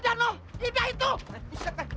tunggu tunggu tunggu